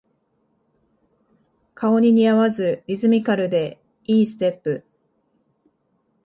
顔に似合わずリズミカルで良いステップ